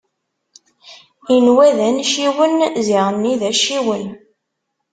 Inwa d anciwen, ziɣenni d acciwen.